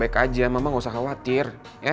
kasian mama khawatir